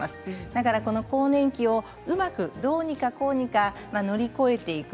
だからこの更年期をうまくどうにかこうにか乗り越えていく。